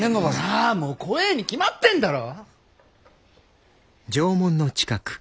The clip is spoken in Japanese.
ああもう怖えに決まってんだろ！